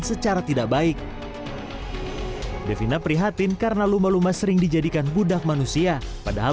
secara tidak baik devina prihatin karena lumba lumba sering dijadikan budak manusia padahal